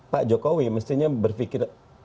pak jokowi mestinya berpikir